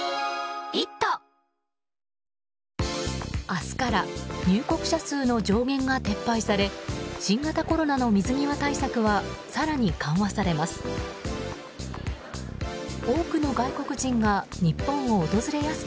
明日から入国者数の上限が撤廃され新型コロナの水際対策は更に緩和されます。